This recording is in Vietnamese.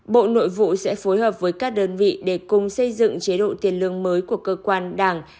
bộ nội vụ sẽ phối hợp với các đơn vị để cùng xây dựng chế độ tiền lương mới của cơ quan đảng